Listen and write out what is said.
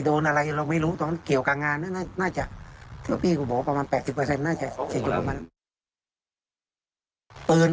เท่าที่พี่กูบอกประมาณ๘๐น่าจะเสียจุดประมาณนั้น